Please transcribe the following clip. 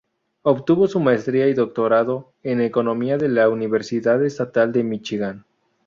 Obtuvo su Maestría y Doctorado en Economía de la Universidad Estatal de Míchigan.